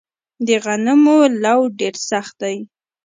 د غنمو لوو ډیر سخت دی